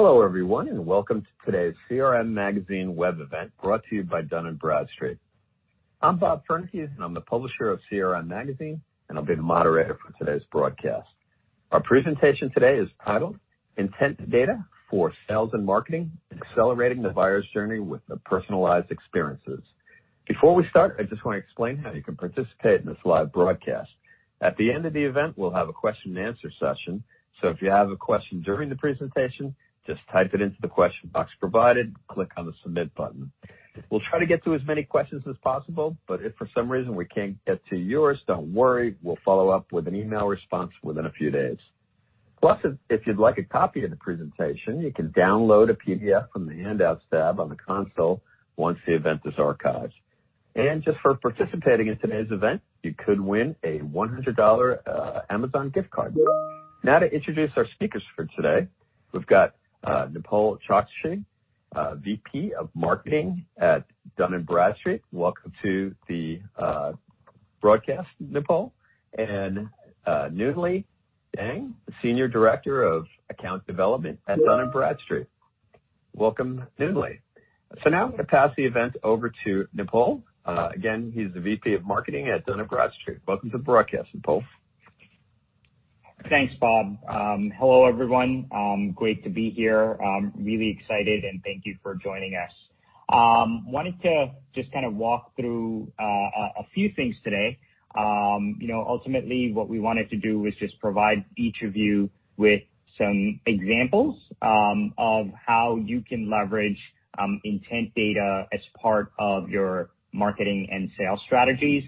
Hello everyone, welcome to today's CRM Magazine web event, brought to you by Dun & Bradstreet. I'm Bob Fernekees, I'm the Publisher of CRM Magazine, I'll be the moderator for today's broadcast. Our presentation today is titled "Intent Data for Sales and Marketing: Accelerating the Buyer's Journey with Personalized Experiences." Before we start, I just want to explain how you can participate in this live broadcast. At the end of the event, we'll have a question and answer session. If you have a question during the presentation, just type it into the question box provided. Click on the submit button. We'll try to get to as many questions as possible, if for some reason we can't get to yours, don't worry. We'll follow up with an email response within a few days. Plus, if you'd like a copy of the presentation, you can download a PDF from the Handouts tab on the console once the event is archived. Just for participating in today's event, you could win a $100 Amazon gift card. Now to introduce our speakers for today, we've got Nipul Chokshi, VP of Marketing at Dun & Bradstreet. Welcome to the broadcast, Nipul. Nhungly Dang, Senior Director of Account Development at Dun & Bradstreet. Welcome, Nhungly. Now I'm going to pass the event over to Nipul. Again, he's the VP of Marketing at Dun & Bradstreet. Welcome to the broadcast, Nipul. Thanks, Bob. Hello, everyone. Great to be here. I'm really excited, and thank you for joining us. Wanted to just kind of walk through a few things today. Ultimately, what we wanted to do was just provide each of you with some examples of how you can leverage intent data as part of your marketing and sales strategies.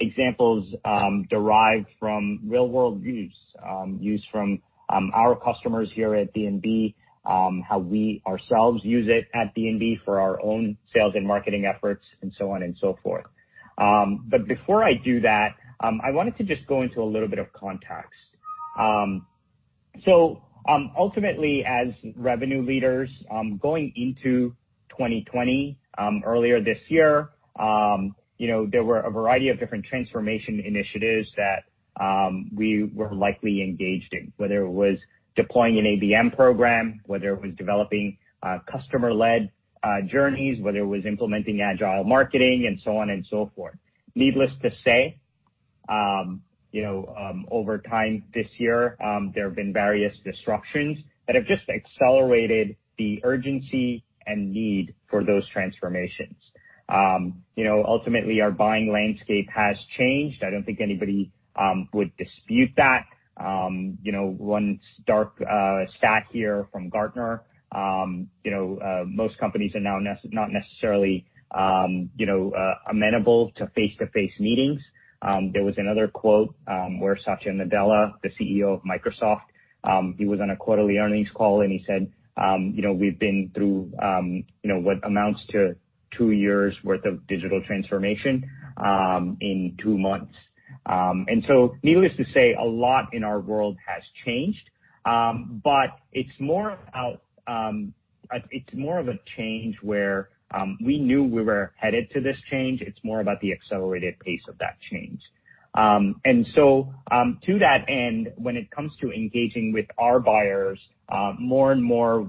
Examples derived from real-world use, used from our customers here at D&B, how we ourselves use it at D&B for our own sales and marketing efforts and so on and so forth. Before I do that, I wanted to just go into a little bit of context. Ultimately, as revenue leaders, going into 2020, earlier this year, there were a variety of different transformation initiatives that we were likely engaged in, whether it was deploying an ABM program, whether it was developing customer-led journeys, whether it was implementing agile marketing, and so on and so forth. Needless to say, over time this year, there have been various disruptions that have just accelerated the urgency and need for those transformations. Ultimately, our buying landscape has changed. I don't think anybody would dispute that. One stark stat here from Gartner, most companies are now not necessarily amenable to face-to-face meetings. There was another quote where Satya Nadella, the CEO of Microsoft, he was on a quarterly earnings call, and he said, "We've been through what amounts to two years' worth of digital transformation in two months." Needless to say, a lot in our world has changed. It's more of a change where we knew we were headed to this change. It's more about the accelerated pace of that change. To that end, when it comes to engaging with our buyers, more and more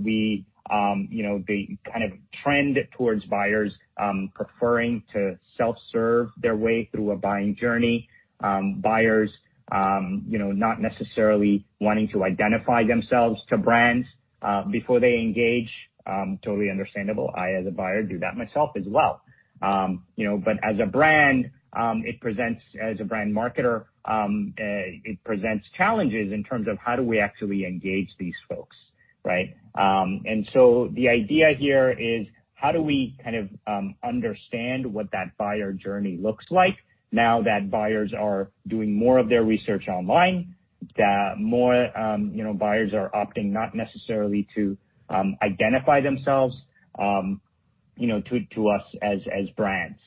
the kind of trend towards buyers preferring to self-serve their way through a buying journey, buyers not necessarily wanting to identify themselves to brands before they engage. Totally understandable. I, as a buyer, do that myself as well. As a brand marketer, it presents challenges in terms of how do we actually engage these folks, right? The idea here is how do we kind of understand what that buyer journey looks like now that buyers are doing more of their research online, that more buyers are opting not necessarily to identify themselves to us as brands.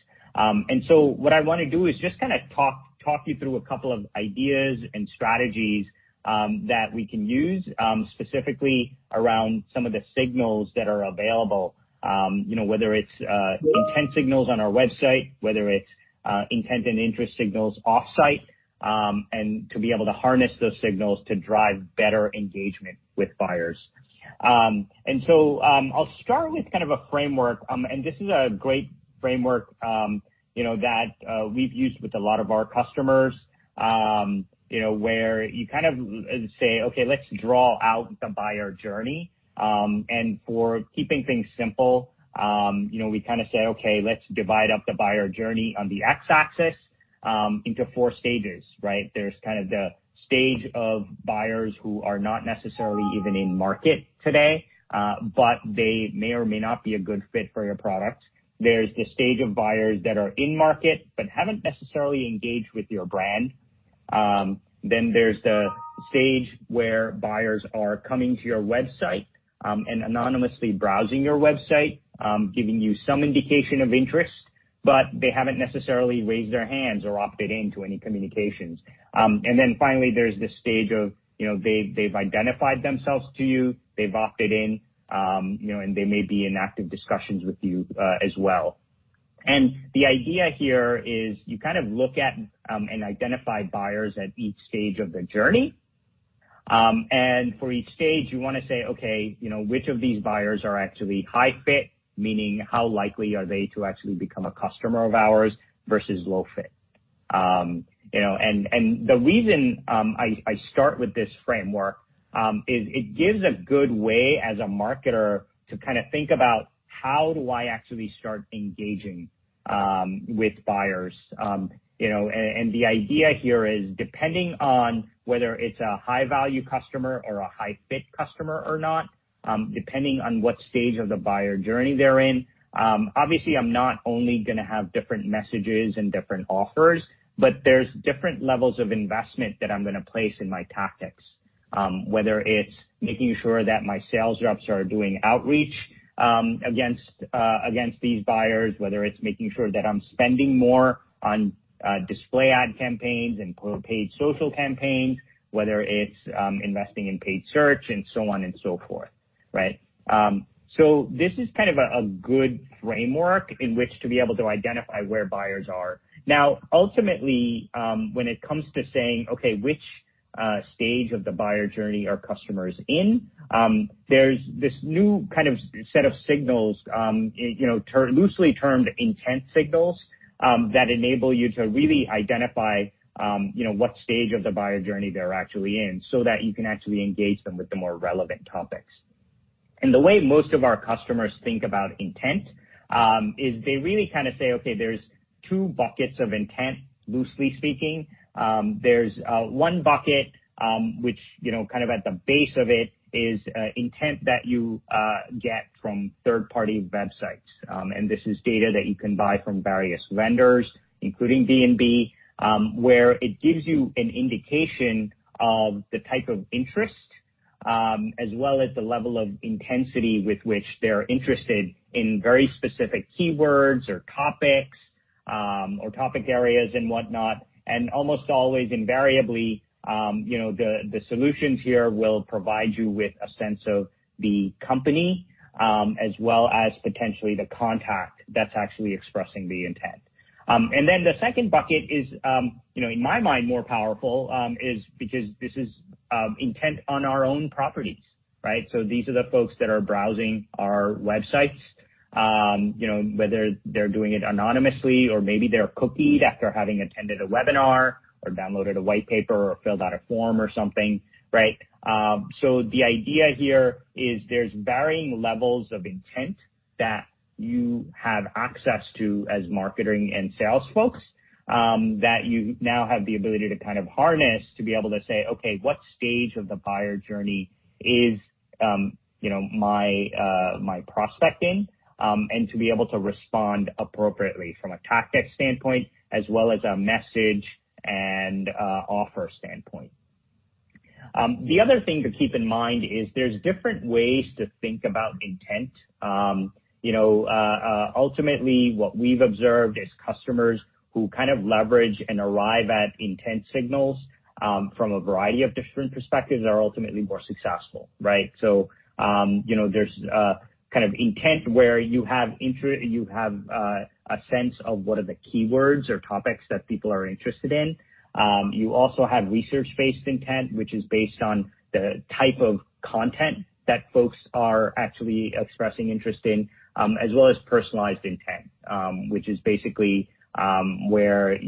What I want to do is just kind of talk you through a couple of ideas and strategies that we can use, specifically around some of the signals that are available, whether it's intent signals on our website, whether it's intent and interest signals off-site, and to be able to harness those signals to drive better engagement with buyers. I'll start with kind of a framework, and this is a great framework that we've used with a lot of our customers, where you kind of say, "Okay, let's draw out the buyer journey." For keeping things simple, we kind of say, "Okay, let's divide up the buyer journey on the X-axis into four stages," right? There's kind of the stage of buyers who are not necessarily even in market today, but they may or may not be a good fit for your product. There's the stage of buyers that are in market but haven't necessarily engaged with your brand. There's the stage where buyers are coming to your website and anonymously browsing your website, giving you some indication of interest, but they haven't necessarily raised their hands or opted in to any communications. Finally, there's this stage of they've identified themselves to you, they've opted in, and they may be in active discussions with you as well. The idea here is you kind of look at and identify buyers at each stage of the journey. For each stage, you want to say, okay, which of these buyers are actually high fit, meaning how likely are they to actually become a customer of ours versus low fit? The reason I start with this framework, is it gives a good way as a marketer to think about how do I actually start engaging with buyers. The idea here is, depending on whether it's a high-value customer or a high-fit customer or not, depending on what stage of the buyer journey they're in, obviously, I'm not only going to have different messages and different offers, but there's different levels of investment that I'm going to place in my tactics. Whether it's making sure that my sales reps are doing outreach against these buyers, whether it's making sure that I'm spending more on display ad campaigns and paid social campaigns, whether it's investing in paid search, and so on and so forth. This is kind of a good framework in which to be able to identify where buyers are. Now, ultimately, when it comes to saying, okay, which stage of the buyer journey are customers in? There's this new kind of set of signals, loosely termed intent signals, that enable you to really identify what stage of the buyer journey they're actually in so that you can actually engage them with the more relevant topics. The way most of our customers think about intent, is they really kind of say, okay, there's two buckets of intent, loosely speaking. There's one bucket which, kind of at the base of it, is intent that you get from third-party websites. This is data that you can buy from various vendors, including D&B, where it gives you an indication of the type of interest, as well as the level of intensity with which they're interested in very specific keywords or topics, or topic areas and whatnot. Almost always invariably, the solutions here will provide you with a sense of the company, as well as potentially the contact that's actually expressing the intent. The second bucket is, in my mind, more powerful, because this is intent on our own properties. These are the folks that are browsing our websites, whether they're doing it anonymously or maybe they're cookied after having attended a webinar or downloaded a white paper or filled out a form or something. The idea here is there's varying levels of intent that you have access to as marketing and sales folks, that you now have the ability to kind of harness, to be able to say, okay, what stage of the buyer journey is my prospecting? To be able to respond appropriately from a tactics standpoint as well as a message and offer standpoint. The other thing to keep in mind is there's different ways to think about intent. Ultimately, what we've observed is customers who kind of leverage and arrive at intent signals from a variety of different perspectives are ultimately more successful, right? There's kind of intent where you have a sense of what are the keywords or topics that people are interested in. You also have research-based intent, which is based on the type of content that folks are actually expressing interest in, as well as personalized intent, which is basically where,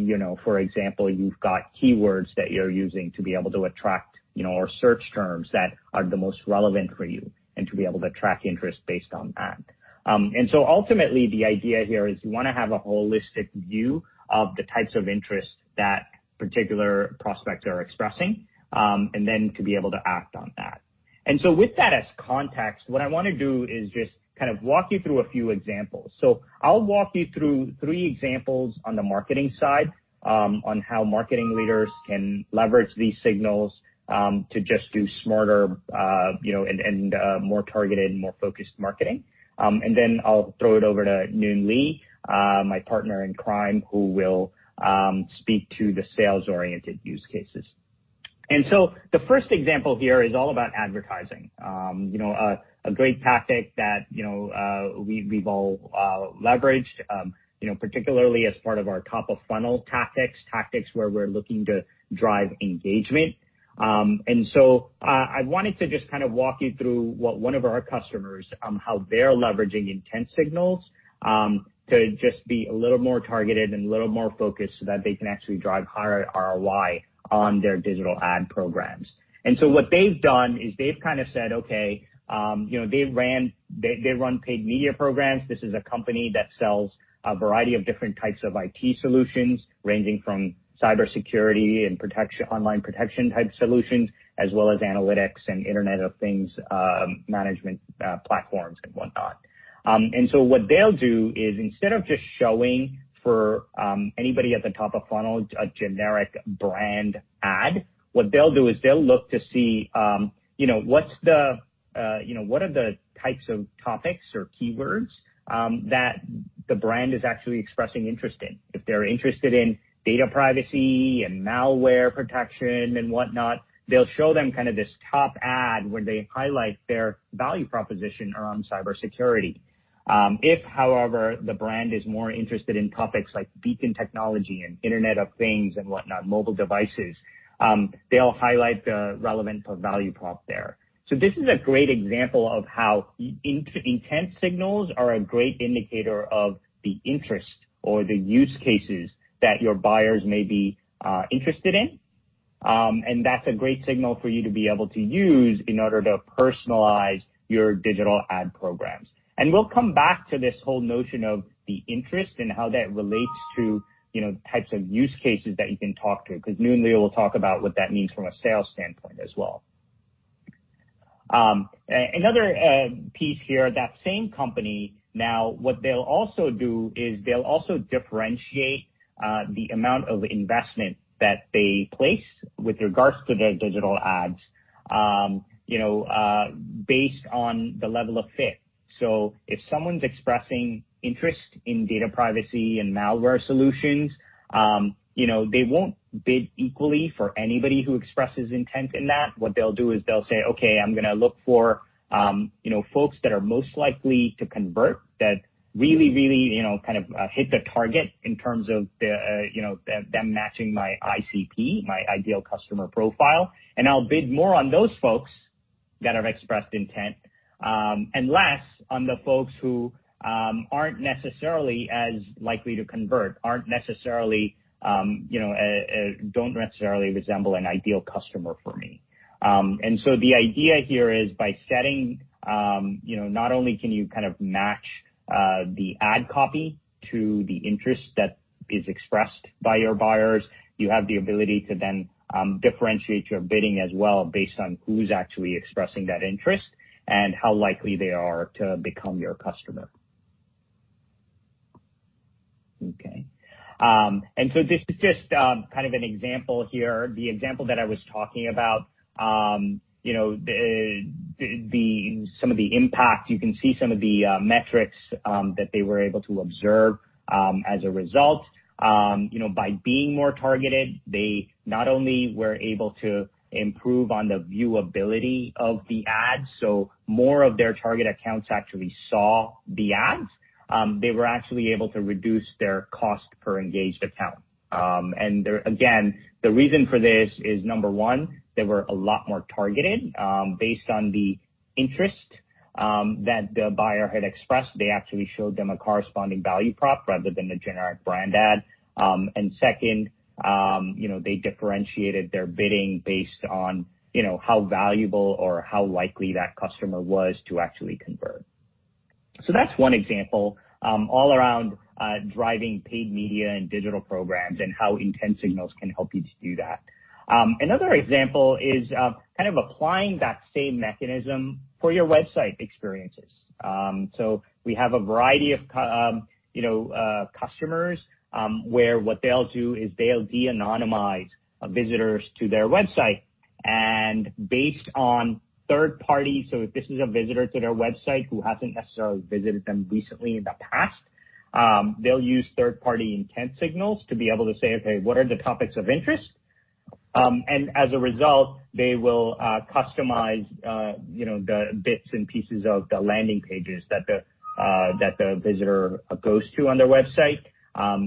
for example, you've got keywords that you're using to be able to attract or search terms that are the most relevant for you, and to be able to track interest based on that. Ultimately, the idea here is you want to have a holistic view of the types of interests that particular prospects are expressing, and then to be able to act on that. With that as context, what I want to do is just kind of walk you through a few examples. I'll walk you through three examples on the marketing side, on how marketing leaders can leverage these signals, to just do smarter, and more targeted, more focused marketing. I'll throw it over to Nhungly, my partner in crime, who will speak to the sales-oriented use cases. The first example here is all about advertising. A great tactic that we've all leveraged, particularly as part of our top-of-funnel tactics where we're looking to drive engagement. I wanted to just kind of walk you through what one of our customers, how they're leveraging intent signals, to just be a little more targeted and a little more focused so that they can actually drive higher ROI on their digital ad programs. What they've done is they've kind of said, okay, they run paid media programs. This is a company that sells a variety of different types of IT solutions ranging from cybersecurity and online protection type solutions, as well as analytics and Internet of Things management platforms and whatnot. What they'll do is instead of just showing for anybody at the top of funnel a generic brand ad, what they'll do is they'll look to see what are the types of topics or keywords that the brand is actually expressing interest in. If they're interested in data privacy and malware protection and whatnot, they'll show them kind of this top ad where they highlight their value proposition around cybersecurity. If, however, the brand is more interested in topics like beacon technology and Internet of Things and whatnot, mobile devices, they'll highlight the relevant value prop there. This is a great example of how intent signals are a great indicator of the interest or the use cases that your buyers may be interested in. That's a great signal for you to be able to use in order to personalize your digital ad programs. We'll come back to this whole notion of the interest and how that relates to types of use cases that you can talk to, because Nhungly will talk about what that means from a sales standpoint as well. Another piece here, that same company, what they'll also do is they'll also differentiate the amount of investment that they place with regards to their digital ads based on the level of fit. If someone's expressing interest in data privacy and malware solutions, they won't bid equally for anybody who expresses intent in that. What they'll do is they'll say, "Okay, I'm going to look for folks that are most likely to convert, that really kind of hit the target in terms of them matching my ICP, my ideal customer profile, and I'll bid more on those folks that have expressed intent, and less on the folks who aren't necessarily as likely to convert, don't necessarily resemble an ideal customer for me." The idea here is by setting, not only can you kind of match the ad copy to the interest that is expressed by your buyers, you have the ability to then differentiate your bidding as well based on who's actually expressing that interest, and how likely they are to become your customer. Okay. This is just kind of an example here, the example that I was talking about, some of the impact. You can see some of the metrics that they were able to observe as a result. By being more targeted, they not only were able to improve on the viewability of the ads, so more of their target accounts actually saw the ads. They were actually able to reduce their cost per engaged account. There, again, the reason for this is, number one, they were a lot more targeted, based on the interest that the buyer had expressed. They actually showed them a corresponding value prop rather than the generic brand ad. Second, they differentiated their bidding based on how valuable or how likely that customer was to actually convert. That's one example, all around driving paid media and digital programs and how intent signals can help you to do that. Another example is kind of applying that same mechanism for your website experiences. We have a variety of customers, where what they'll do is they'll de-anonymize visitors to their website. If this is a visitor to their website who hasn't necessarily visited them recently in the past, they'll use third-party intent signals to be able to say, "Okay, what are the topics of interest?" As a result, they will customize the bits and pieces of the landing pages that the visitor goes to on their website,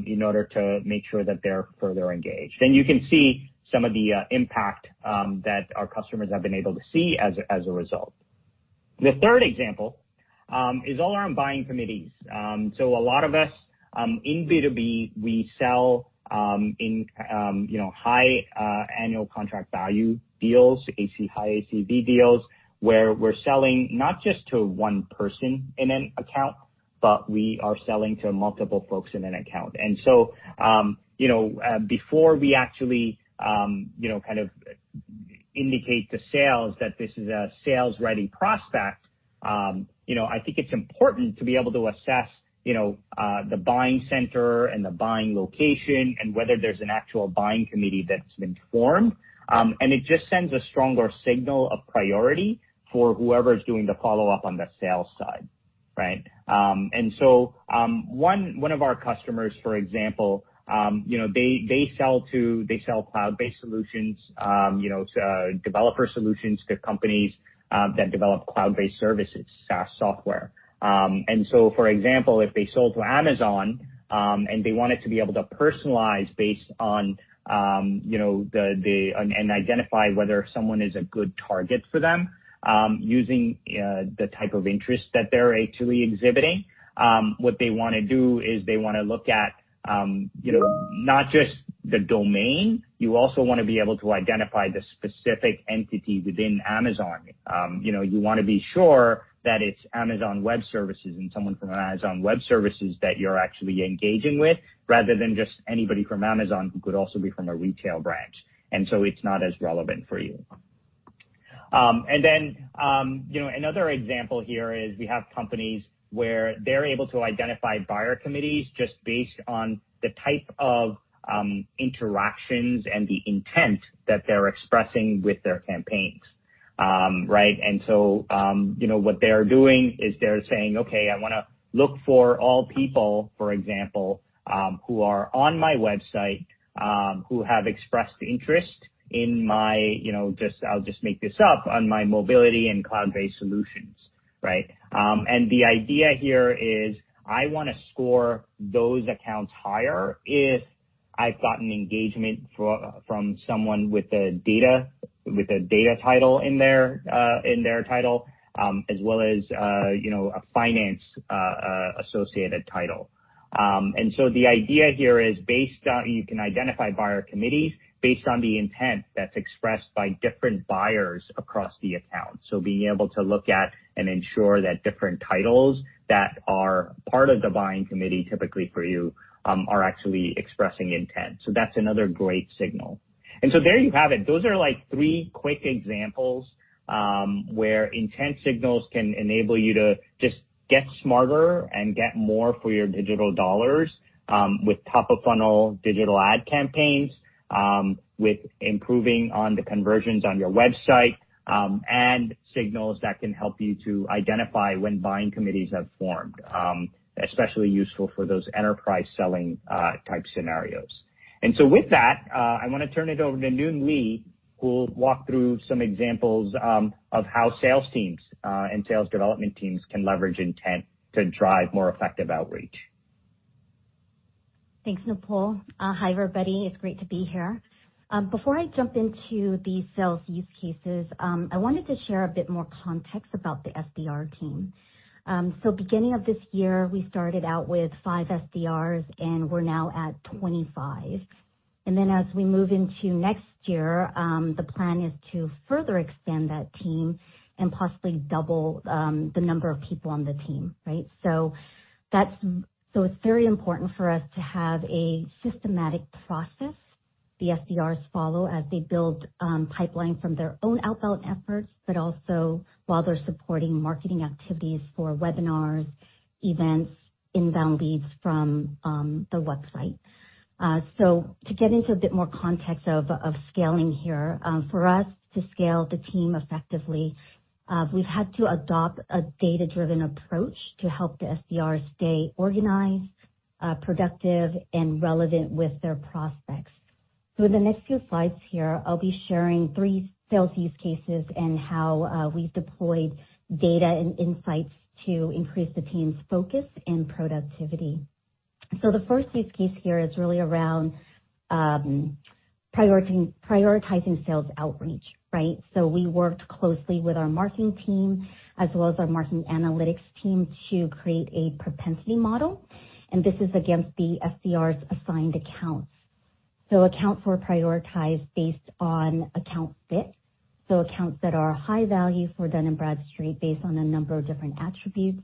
in order to make sure that they're further engaged. You can see some of the impact that our customers have been able to see as a result. The third example is all around buying committees. A lot of us, in B2B, we sell in high annual contract value deals, high ACV deals, where we're selling not just to one person in an account, but we are selling to multiple folks in an account. Before we actually kind of indicate to sales that this is a sales-ready prospect, I think it's important to be able to assess the buying center and the buying location and whether there's an actual buying committee that's been formed. It just sends a stronger signal of priority for whoever's doing the follow-up on the sales side, right? One of our customers, for example, they sell cloud-based solutions, developer solutions to companies that develop cloud-based services, SaaS software. For example, if they sold to Amazon, and they wanted to be able to personalize and identify whether someone is a good target for them, using the type of interest that they're actually exhibiting. What they wanna do is they wanna look at not just the domain. You also wanna be able to identify the specific entity within Amazon. You wanna be sure that it's Amazon Web Services and someone from Amazon Web Services that you're actually engaging with, rather than just anybody from Amazon who could also be from a retail branch. It's not as relevant for you. Another example here is we have companies where they're able to identify buyer committees just based on the type of interactions and the intent that they're expressing with their campaigns, right? What they're doing is they're saying, "Okay, I want to look for all people, for example, who are on my website, who have expressed interest in my" I will just make this up, "On my mobility and cloud-based solutions." The idea here is I want to score those accounts higher if I've gotten engagement from someone with a data title in their title, as well as a finance associated title. The idea here is, you can identify buyer committees based on the intent that's expressed by different buyers across the account. Being able to look at and ensure that different titles that are part of the buying committee, typically for you, are actually expressing intent. That's another great signal. There you have it. Those are three quick examples, where intent signals can enable you to just get smarter and get more for your digital dollars, with top-of-funnel digital ad campaigns, with improving on the conversions on your website, and signals that can help you to identify when buying committees have formed, especially useful for those enterprise selling type scenarios. With that, I want to turn it over to Nhungly Dang, who will walk through some examples, of how sales teams, and sales development teams can leverage intent to drive more effective outreach. Thanks, Nipul. Hi, everybody. It's great to be here. Before I jump into the sales use cases, I wanted to share a bit more context about the SDR team. Beginning of this year, we started out with five SDRs, and we're now at 25. As we move into next year, the plan is to further expand that team and possibly double the number of people on the team. Right. It's very important for us to have a systematic process the SDRs follow as they build pipelines from their own outbound efforts, but also while they're supporting marketing activities for webinars, events, inbound leads from the website. To get into a bit more context of scaling here, for us to scale the team effectively, we've had to adopt a data-driven approach to help the SDRs stay organized, productive, and relevant with their prospects. In the next few slides here, I'll be sharing three sales use cases and how we've deployed data and insights to increase the team's focus and productivity. The first use case here is really around prioritizing sales outreach. Right. We worked closely with our marketing team as well as our marketing analytics team to create a propensity model, and this is against the SDR's assigned accounts. Accounts were prioritized based on account fit, accounts that are high value for Dun & Bradstreet based on a number of different attributes.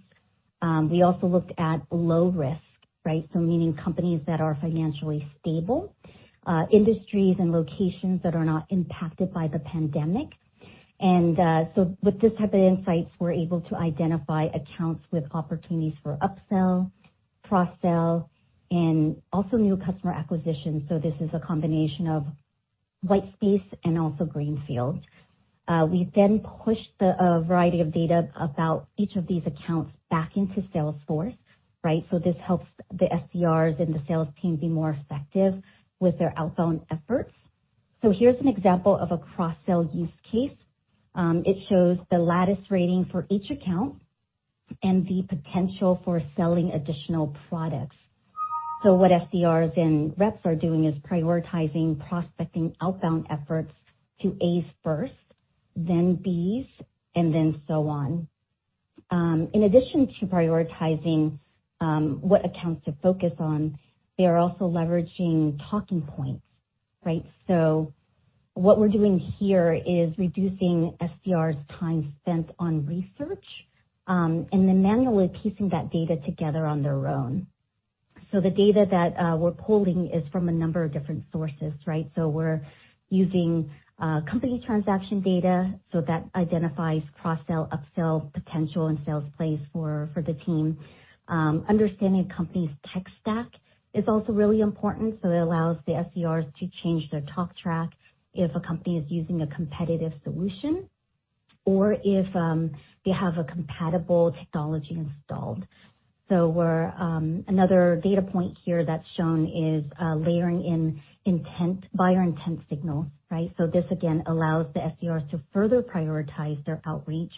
We also looked at low risk. Right. Meaning companies that are financially stable, industries, and locations that are not impacted by the pandemic. With this type of insights, we're able to identify accounts with opportunities for upsell, cross-sell, and also new customer acquisition. This is a combination of white space and also greenfield. We then pushed the variety of data about each of these accounts back into Salesforce. Right? This helps the SDRs and the sales team be more effective with their outbound efforts. Here's an example of a cross-sell use case. It shows the Lattice rating for each account and the potential for selling additional products. What SDRs and reps are doing is prioritizing prospecting outbound efforts to As first, then Bs, and then so on. In addition to prioritizing what accounts to focus on, they are also leveraging talking points. Right? What we're doing here is reducing SDR's time spent on research, and then manually piecing that data together on their own. The data that we're pulling is from a number of different sources. Right? We're using company transaction data, so that identifies cross-sell, upsell potential, and sales plays for the team. Understanding a company's tech stack is also really important, so it allows the SDRs to change their talk track if a company is using a competitive solution or if they have a compatible technology installed. Another data point here that's shown is layering in buyer intent signal. Right. This, again, allows the SDRs to further prioritize their Outreach,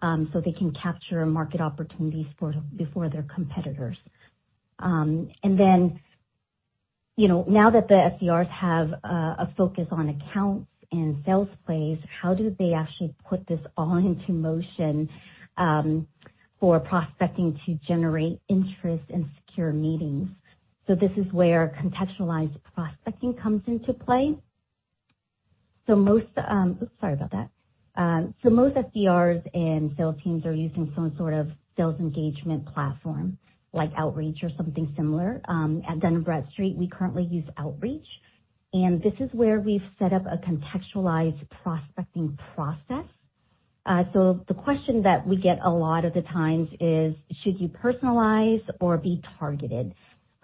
so they can capture market opportunities before their competitors. Now that the SDRs have a focus on accounts and sales plays, how do they actually put this all into motion for prospecting to generate interest and secure meetings? This is where contextualized prospecting comes into play. Sorry about that. Most SDRs and sales teams are using some sort of sales engagement platform, like Outreach or something similar. At Dun & Bradstreet, we currently use Outreach, and this is where we've set up a contextualized prospecting process. The question that we get a lot of the times is, should you personalize or be targeted?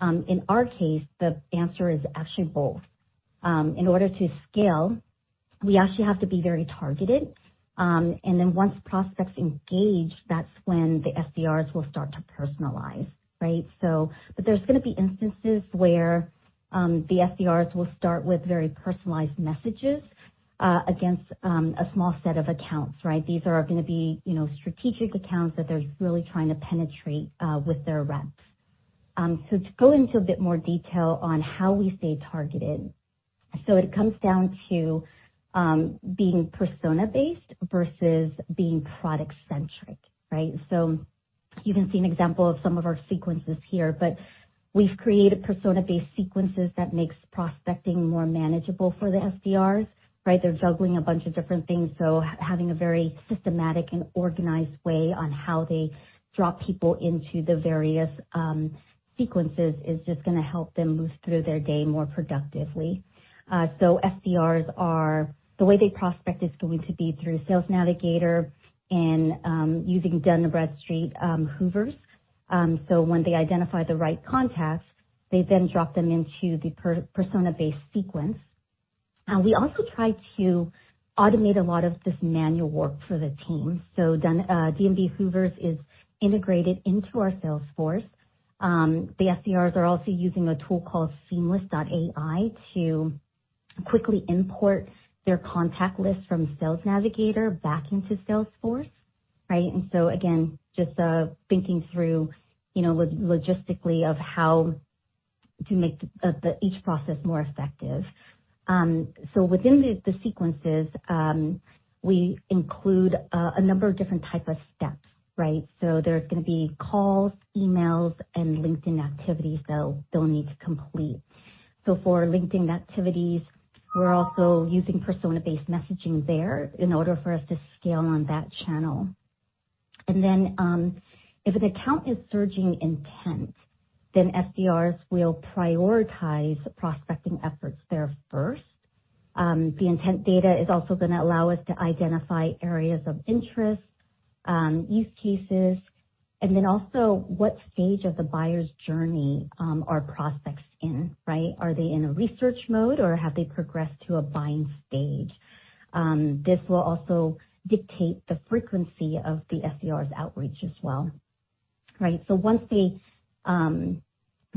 In our case, the answer is actually both. In order to scale, we actually have to be very targeted, and then once prospects engage, that's when the SDRs will start to personalize. Right? There's going to be instances where the SDRs will start with very personalized messages against a small set of accounts. Right? These are going to be strategic accounts that they're really trying to penetrate with their reps. To go into a bit more detail on how we stay targeted. It comes down to being persona-based versus being product-centric. You can see an example of some of our sequences here, but we've created persona-based sequences that makes prospecting more manageable for the SDRs. They're juggling a bunch of different things, so having a very systematic and organized way on how they drop people into the various sequences is just going to help them move through their day more productively. SDRs, the way they prospect is going to be through Sales Navigator and using D&B Hoovers. When they identify the right contacts, they then drop them into the persona-based sequence. We also try to automate a lot of this manual work for the team. D&B Hoovers is integrated into our Salesforce. The SDRs are also using a tool called Seamless.ai to quickly import their contact list from Sales Navigator back into Salesforce, right? Again, just thinking through logistically of how to make each process more effective. Within the sequences, we include a number of different type of steps. There's going to be calls, emails, and LinkedIn activities they'll need to complete. For LinkedIn activities, we're also using persona-based messaging there in order for us to scale on that channel. If an account is surging intent, SDRs will prioritize prospecting efforts there first. The intent data is also going to allow us to identify areas of interest, use cases, and then also what stage of the buyer's journey are prospects in, right? Are they in a research mode, or have they progressed to a buying stage? This will also dictate the frequency of the SDR's outreach as well.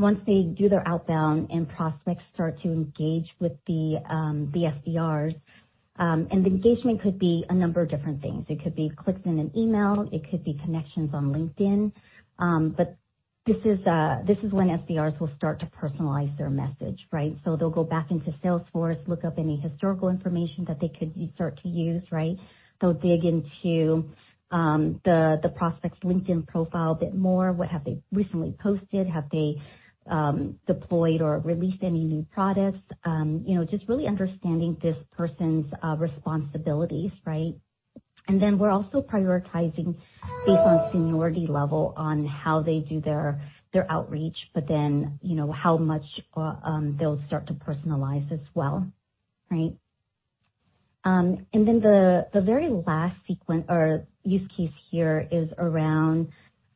Once they do their outbound and prospects start to engage with the SDRs, and the engagement could be a number of different things. It could be clicks in an email, it could be connections on LinkedIn. This is when SDRs will start to personalize their message, right? They'll go back into Salesforce, look up any historical information that they could start to use, right? They'll dig into the prospect's LinkedIn profile a bit more. What have they recently posted? Have they deployed or released any new products? Just really understanding this person's responsibilities. We're also prioritizing based on seniority level, on how they do their outreach, but then how much they'll start to personalize as well. The very last sequence or use case here is around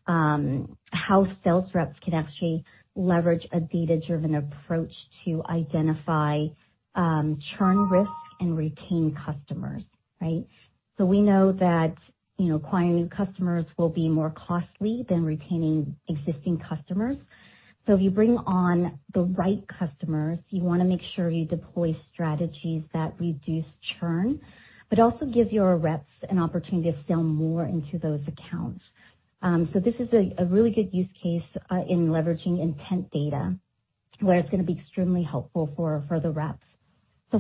how sales reps can actually leverage a data-driven approach to identify churn risk and retain customers. We know that acquiring new customers will be more costly than retaining existing customers. If you bring on the right customers, you want to make sure you deploy strategies that reduce churn, but also give your reps an opportunity to sell more into those accounts. This is a really good use case in leveraging intent data, where it's going to be extremely helpful for the reps.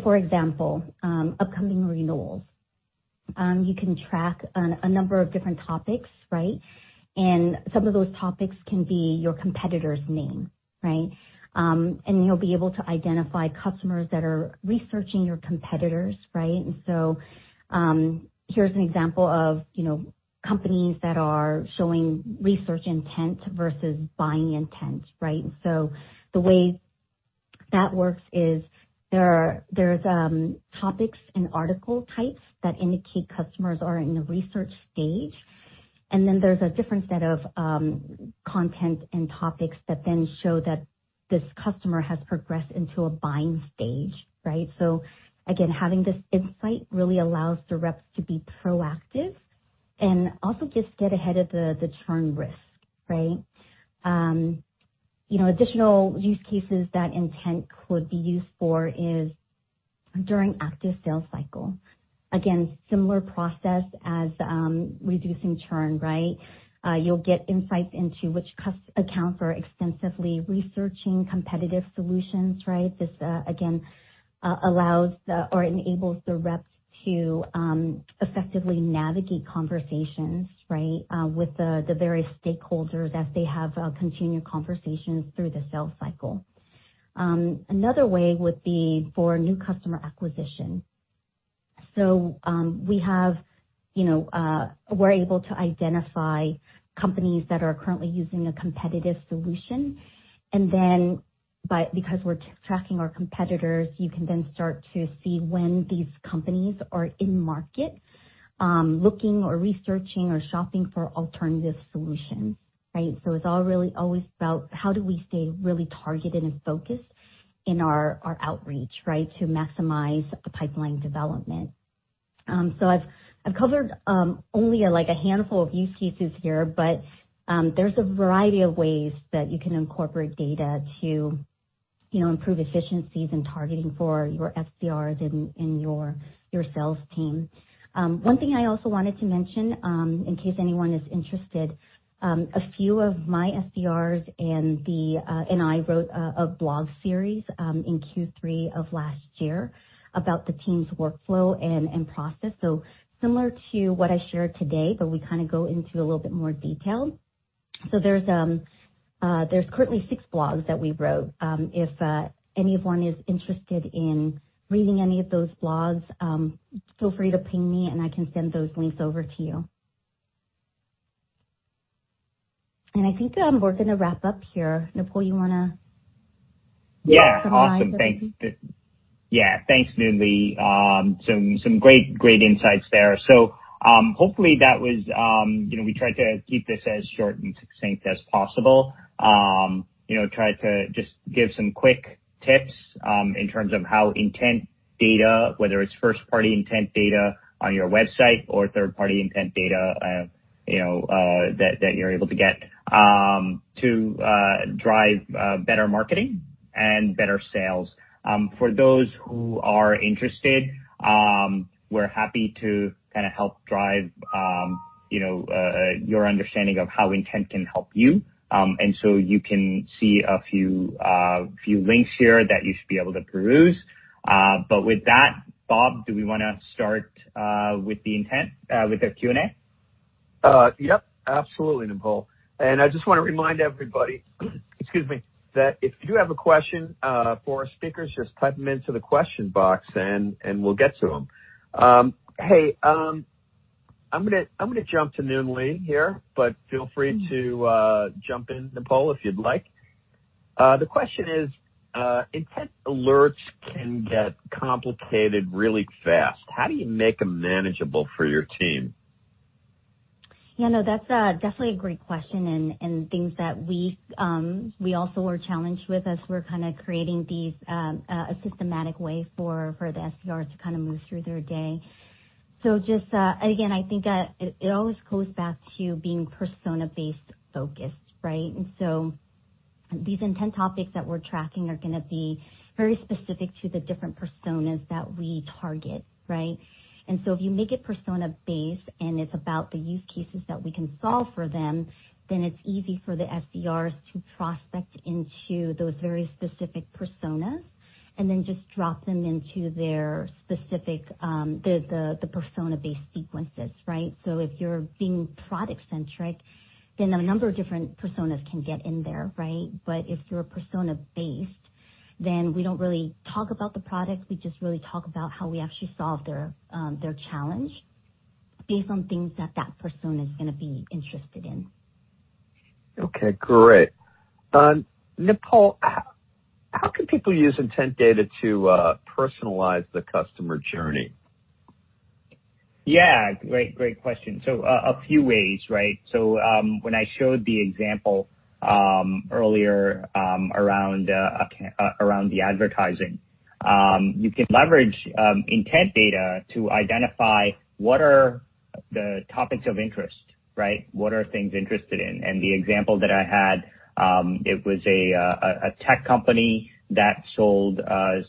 For example, upcoming renewals. You can track a number of different topics, right? Some of those topics can be your competitor's name, right? You'll be able to identify customers that are researching your competitors, right? Here's an example of companies that are showing research intent versus buying intent, right? The way that works is there's topics and article types that indicate customers are in a research stage. There's a different set of content and topics that then show that this customer has progressed into a buying stage, right? Again, having this insight really allows the reps to be proactive and also just get ahead of the churn risk. Additional use cases that intent could be used for is during active sales cycle. Again, similar process as reducing churn, right? You'll get insights into which accounts are extensively researching competitive solutions, right? This, again, allows or enables the reps to effectively navigate conversations with the various stakeholders as they have continued conversations through the sales cycle. Another way would be for new customer acquisition. We're able to identify companies that are currently using a competitive solution. Because we're tracking our competitors, you can then start to see when these companies are in market, looking or researching or shopping for alternative solutions, right? It's all really always about how do we stay really targeted and focused in our outreach to maximize the pipeline development. I've covered only a handful of use cases here, but there's a variety of ways that you can incorporate data to you know, improve efficiencies and targeting for your SDRs and your sales team. One thing I also wanted to mention, in case anyone is interested, a few of my SDRs and I wrote a blog series in Q3 of last year about the team's workflow and process. Similar to what I shared today, but we kind of go into a little bit more detail. There's currently six blogs that we wrote. If anyone is interested in reading any of those blogs, feel free to ping me, and I can send those links over to you. I think that we're going to wrap up here. Nipul, you want to summarize? Awesome. Thanks, Nhungly. Some great insights there. Hopefully we tried to keep this as short and succinct as possible. Tried to just give some quick tips in terms of how intent data, whether it's first-party intent data on your website or third-party intent data that you're able to get, to drive better marketing and better sales. For those who are interested, we're happy to help drive your understanding of how intent can help you. You can see a few links here that you should be able to peruse. With that, Bob, do we want to start with the Q&A? Yep, absolutely, Nipul. I just want to remind everybody, excuse me, that if you do have a question for our speakers, just type them into the question box, and we'll get to them. Hey, I'm gonna jump to Nhungly here, but feel free to jump in, Nipul, if you'd like. The question is, "Intent alerts can get complicated really fast. How do you make them manageable for your team? Yeah, no, that's definitely a great question, and things that we also were challenged with as we're kind of creating these, a systematic way for the SDRs to kind of move through their day. Just, again, I think it always goes back to being persona-based focused, right? These intent topics that we're tracking are gonna be very specific to the different personas that we target, right? If you make it persona-based, and it's about the use cases that we can solve for them, then it's easy for the SDRs to prospect into those very specific personas, and then just drop them into their specific persona-based sequences, right? If you're being product-centric, then a number of different personas can get in there, right? If you're persona-based, then we don't really talk about the product, we just really talk about how we actually solve their challenge based on things that that persona is gonna be interested in. Okay, great. Nipul, how can people use intent data to personalize the customer journey? Yeah, great question. A few ways, right? When I showed the example earlier around the advertising. You can leverage intent data to identify what are the topics of interest, right? What are things interested in? The example that I had, it was a tech company that sold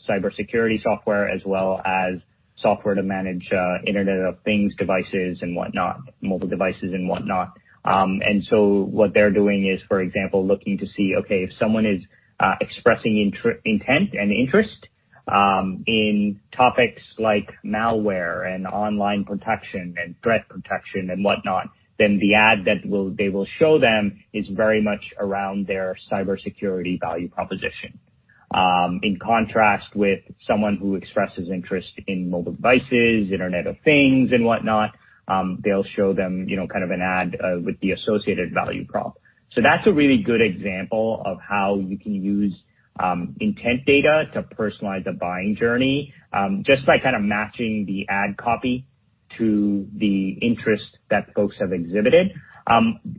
cybersecurity software as well as software to manage Internet of Things devices and whatnot, mobile devices and whatnot. What they're doing is, for example, looking to see, okay, if someone is expressing intent and interest in topics like malware and online protection and threat protection and whatnot, then the ad that they will show them is very much around their cybersecurity value proposition. In contrast with someone who expresses interest in mobile devices, Internet of Things, and whatnot, they'll show them kind of an ad with the associated value prop. That's a really good example of how you can use intent data to personalize a buying journey, just by kind of matching the ad copy to the interest that folks have exhibited.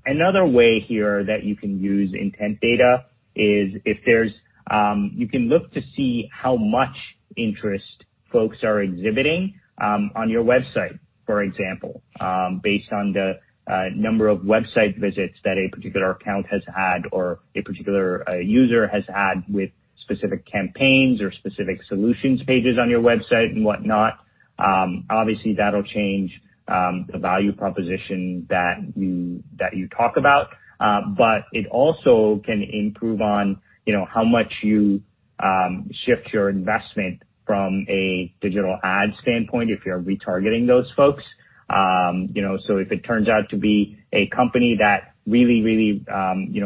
Another way here that you can use intent data is you can look to see how much interest folks are exhibiting on your website, for example, based on the number of website visits that a particular account has had or a particular user has had with specific campaigns or specific solutions pages on your website and whatnot. Obviously, that'll change the value proposition that you talk about. It also can improve on how much you shift your investment from a digital ad standpoint if you're retargeting those folks. If it turns out to be a company that really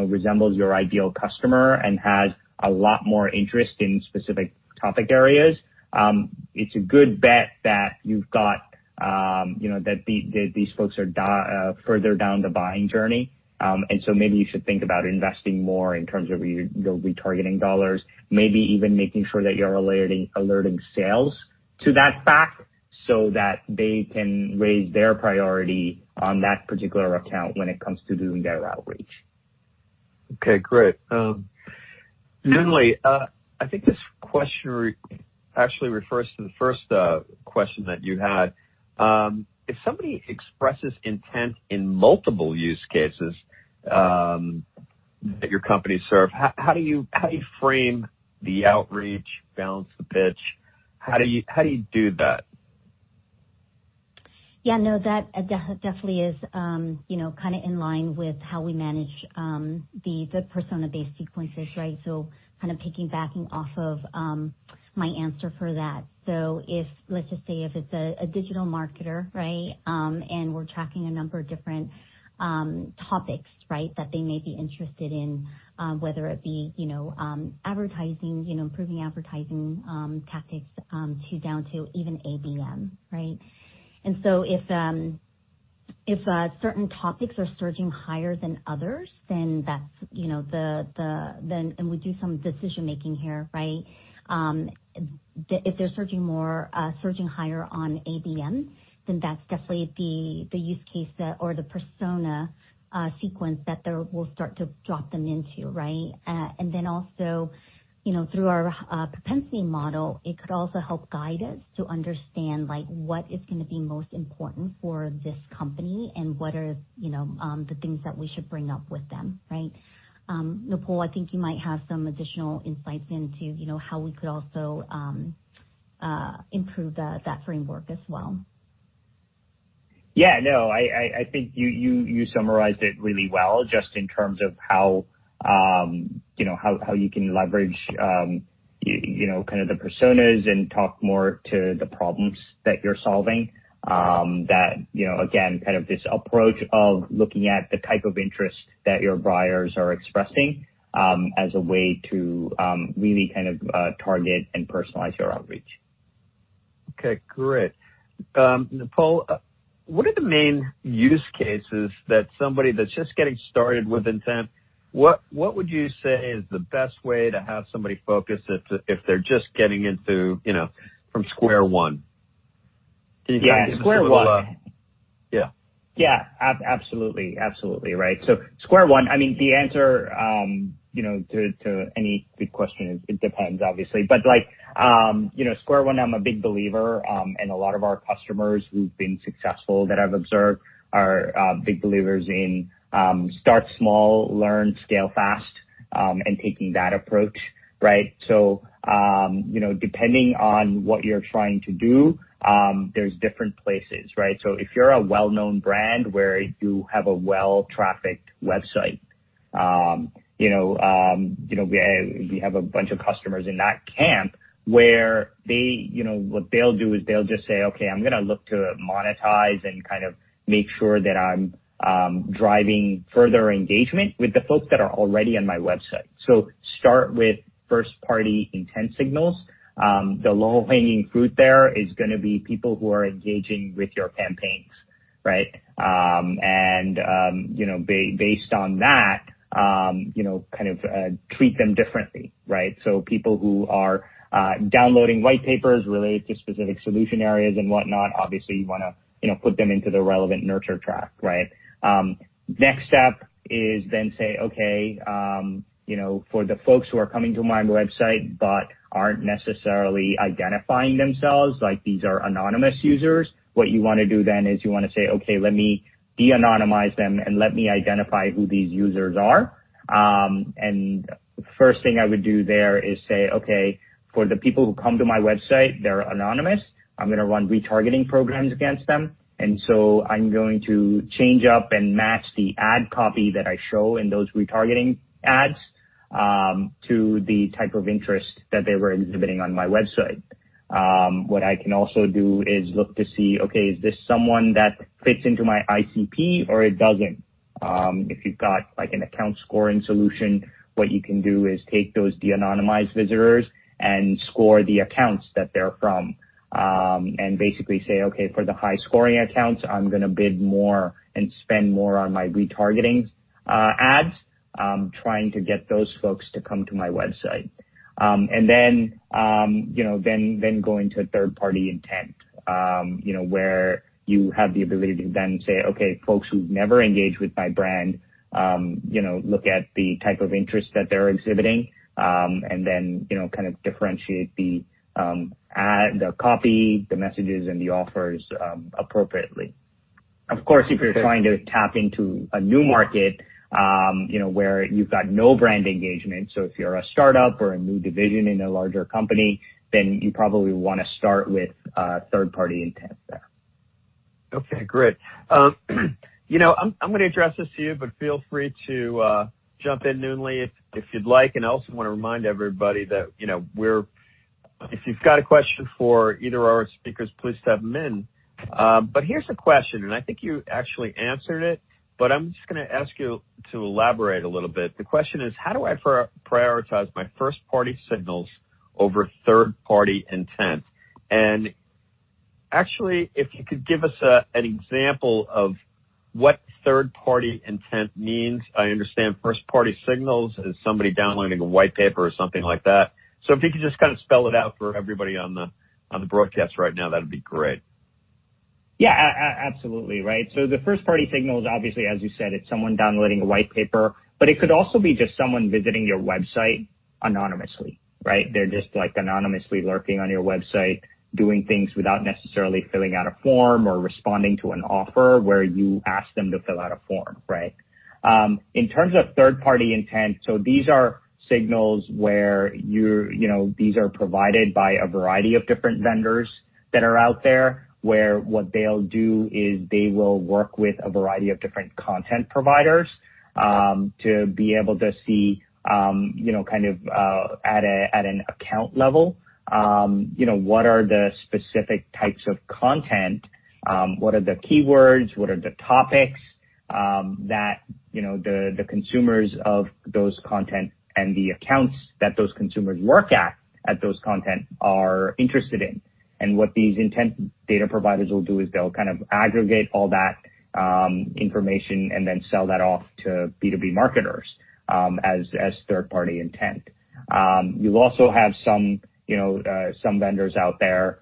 resembles your ideal customer and has a lot more interest in specific topic areas, it's a good bet that these folks are further down the buying journey. Maybe you should think about investing more in terms of your retargeting dollars, maybe even making sure that you're alerting sales to that fact so that they can raise their priority on that particular account when it comes to doing their outreach. Okay, great. Nhungly, Question actually refers to the first question that you had. If somebody expresses intent in multiple use cases that your companies serve, how do you frame the outreach, balance the pitch? How do you do that? Yeah, no, that definitely is in line with how we manage the persona-based sequences. Piggybacking off of my answer for that. Let's just say, if it's a digital marketer and we're tracking a number of different topics that they may be interested in, whether it be improving advertising tactics down to even ABM. If certain topics are surging higher than others, then we do some decision-making here. If they're surging higher on ABM, then that's definitely the use case or the persona sequence that we'll start to drop them into. Also, through our propensity model, it could also help guide us to understand what is going to be most important for this company and what are the things that we should bring up with them. Nipul, I think you might have some additional insights into how we could also improve that framework as well. No, I think you summarized it really well just in terms of how you can leverage the personas and talk more to the problems that you're solving. Again, this approach of looking at the type of interest that your buyers are expressing, as a way to really target and personalize your outreach. Okay, great. Nipul, what are the main use cases that somebody that's just getting started with intent, what would you say is the best way to have somebody focus if they're just getting into from square one? Yeah, square one. Yeah. Yeah. Absolutely. Square one, the answer to any good question is it depends, obviously. Square one, I'm a big believer, and a lot of our customers who've been successful that I've observed are big believers in start small, learn, scale fast, and taking that approach. Depending on what you're trying to do, there's different places. If you're a well-known brand where you have a well-trafficked website, we have a bunch of customers in that camp where what they'll do is they'll just say, "Okay, I'm going to look to monetize and make sure that I'm driving further engagement with the folks that are already on my website." Start with first-party intent signals. The low-hanging fruit there is going to be people who are engaging with your campaigns. Based on that, treat them differently. People who are downloading white papers related to specific solution areas and whatnot, obviously, you want to put them into the relevant nurture track. Next step is then say, okay, for the folks who are coming to my website but aren't necessarily identifying themselves, like these are anonymous users, what you want to do then is you want to say, "Okay, let me de-anonymize them, and let me identify who these users are." First thing I would do there is say, "Okay, for the people who come to my website, they're anonymous. I'm going to run retargeting programs against them. I'm going to change up and match the ad copy that I show in those retargeting ads to the type of interest that they were exhibiting on my website. What I can also do is look to see, okay, is this someone that fits into my ICP or it doesn't? If you've got an account scoring solution, what you can do is take those de-anonymized visitors and score the accounts that they're from. Basically say, "Okay, for the high-scoring accounts, I'm going to bid more and spend more on my retargeting ads, trying to get those folks to come to my website." Going to third-party intent, where you have the ability to then say, "Okay, folks who've never engaged with my brand look at the type of interest that they're exhibiting," and then differentiate the ad, the copy, the messages, and the offers appropriately. If you're trying to tap into a new market where you've got no brand engagement, so if you're a startup or a new division in a larger company, then you probably want to start with third-party intent there. Okay, great. I'm going to address this to you, but feel free to jump in, Nhungly, if you'd like. I also want to remind everybody that if you've got a question for either of our speakers, please type them in. Here's a question, and I think you actually answered it, but I'm just going to ask you to elaborate a little bit. The question is, how do I prioritize my first-party signals over third-party intent? Actually, if you could give us an example of what third-party intent means. I understand first-party signals is somebody downloading a white paper or something like that. If you could just spell it out for everybody on the broadcast right now, that'd be great. Yeah, absolutely, right? The first-party signal is obviously, as you said, it is someone downloading a white paper, but it could also be just someone visiting your website anonymously, right? They are just anonymously lurking on your website, doing things without necessarily filling out a form or responding to an offer where you ask them to fill out a form, right? In terms of third-party intent, these are signals where these are provided by a variety of different vendors that are out there, where what they will do is they will work with a variety of different content providers, to be able to see, at an account level, what are the specific types of content, what are the keywords, what are the topics that the consumers of those content and the accounts that those consumers work at those content, are interested in. What these intent data providers will do is they'll aggregate all that information and then sell that off to B2B marketers as third-party intent. You'll also have some vendors out there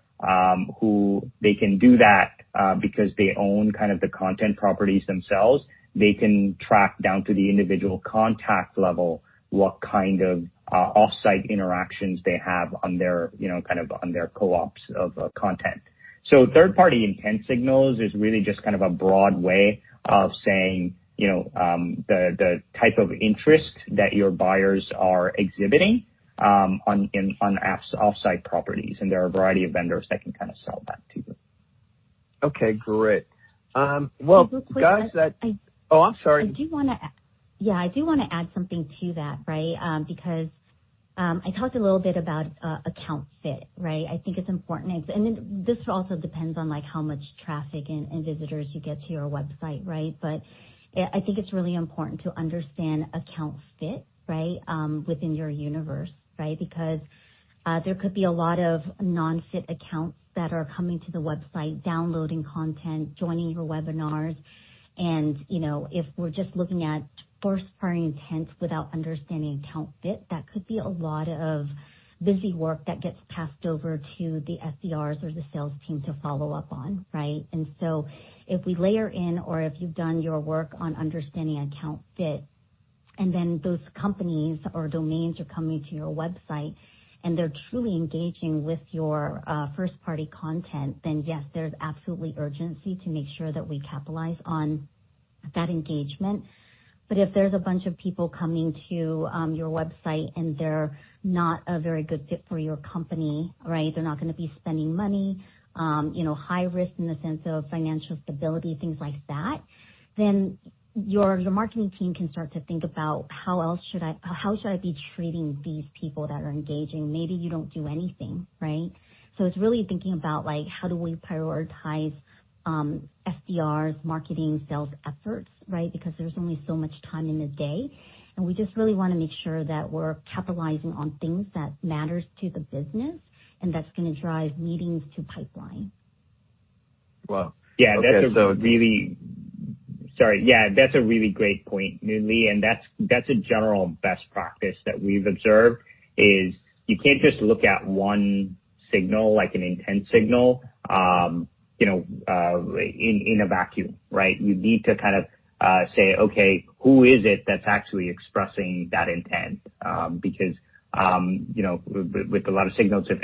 who they can do that because they own the content properties themselves. They can track down to the individual contact level what kind of off-site interactions they have on their co-ops of content. Third-party intent signals is really just a broad way of saying the type of interest that your buyers are exhibiting on off-site properties, and there are a variety of vendors that can sell that to you. Okay, great. Well, guys. Real quick. Oh, I'm sorry. Yeah, I do want to add something to that, right? I talked a little bit about account fit, right? I think it's important, this also depends on how much traffic and visitors you get to your website, right? I think it's really important to understand account fit, right? Within your universe, right? There could be a lot of non-fit accounts that are coming to the website, downloading content, joining your webinars. If we're just looking at first-party intents without understanding account fit, that could be a lot of busy work that gets passed over to the SDRs or the sales team to follow up on, right? If we layer in, or if you've done your work on understanding account fit, and then those companies or domains are coming to your website and they're truly engaging with your first-party content, then yes, there's absolutely urgency to make sure that we capitalize on that engagement. If there's a bunch of people coming to your website and they're not a very good fit for your company, right, they're not going to be spending money, high risk in the sense of financial stability, things like that, then your marketing team can start to think about, how should I be treating these people that are engaging? Maybe you don't do anything, right? It's really thinking about, how do we prioritize SDRs marketing sales efforts, right? There's only so much time in the day, and we just really want to make sure that we're capitalizing on things that matters to the business and that's going to drive meetings to pipeline. Wow. Okay. Yeah, that's a really great point, Nhungly. That's a general best practice that we've observed, is you can't just look at one signal, like an intent signal, in a vacuum, right? You need to say, "Okay, who is it that's actually expressing that intent?" With a lot of signals, if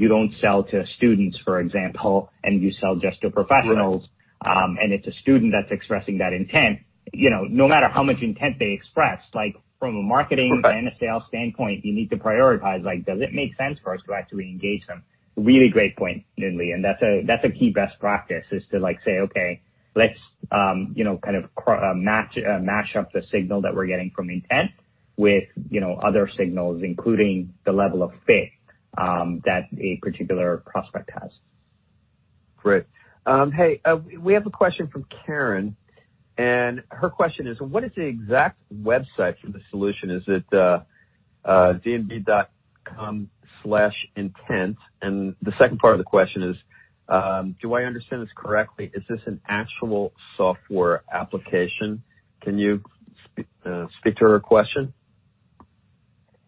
you don't sell to students, for example, and you sell just to professionals. Right It's a student that's expressing that intent, no matter how much intent they express. Right A sales standpoint, you need to prioritize, like, does it make sense for us to actually engage them? Really great point, Nhungly and that's a key best practice, is to say, "Okay, let's match up the signal that we're getting from intent with other signals, including the level of fit that a particular prospect has. Great. Hey, we have a question from Karen, and her question is, what is the exact website for the solution? Is it dnb.com/intent? The second part of the question is, do I understand this correctly, is this an actual software application? Can you speak to her question?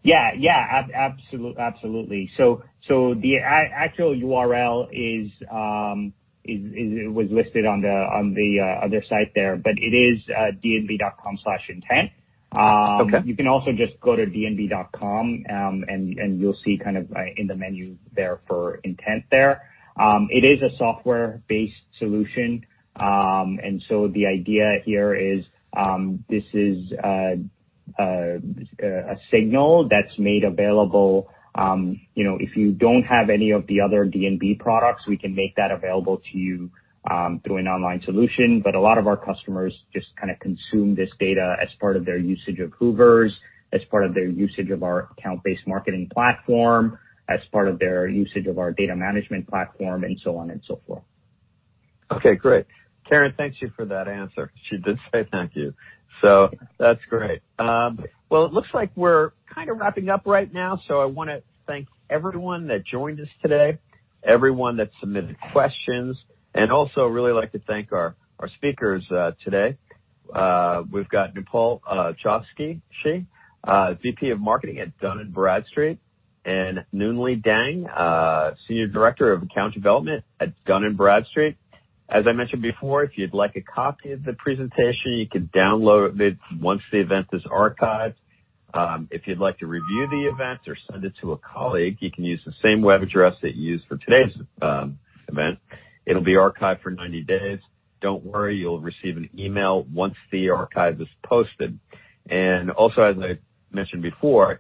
Yeah. Absolutely. The actual URL was listed on the other site there, but it is dnb.com/intent. Okay. You can also just go to dnb.com, and you'll see in the menu there for intent there. It is a software-based solution. The idea here is, this is a signal that's made available. If you don't have any of the other D&B products, we can make that available to you through an online solution. A lot of our customers just consume this data as part of their usage of Hoover's, as part of their usage of our account-based marketing platform, as part of their usage of our data management platform, and so on and so forth. Okay, great. Karen, thank you for that answer. She did say thank you. That's great. It looks like we're kind of wrapping up right now, so I want to thank everyone that joined us today, everyone that submitted questions, and also really like to thank our speakers today. We've got Nipul Chokshi, Vice President of Marketing at Dun & Bradstreet, and Nhungly Dang, Senior Director of Account Development at Dun & Bradstreet. As I mentioned before, if you'd like a copy of the presentation, you can download it once the event is archived. If you'd like to review the event or send it to a colleague, you can use the same web address that you used for today's event. It'll be archived for 90 days. Don't worry, you'll receive an email once the archive is posted. Also, as I mentioned before,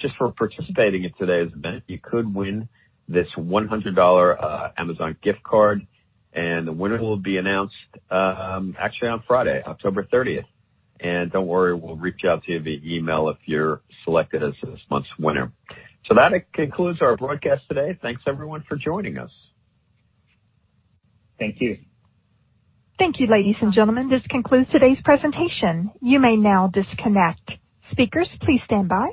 just for participating in today's event, you could win this $100 Amazon gift card, and the winner will be announced actually on Friday, October 30th. Don't worry, we'll reach out to you via email if you're selected as this month's winner. That concludes our broadcast today. Thanks everyone for joining us. Thank you. Thank you, ladies and gentlemen. This concludes today's presentation. You may now disconnect. Speakers, please stand by.